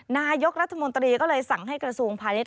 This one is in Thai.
นายกรัฐมนตรีก็เลยสั่งให้กระทรวงพาณิชย